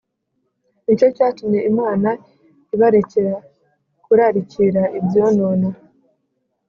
Ni cyo cyatumye Imana ibarekera kurarikira ibyonona